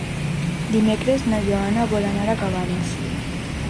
Dimecres na Joana vol anar a Cabanes.